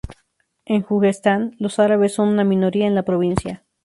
En Juzestán, los árabes son una minoría en la provincia.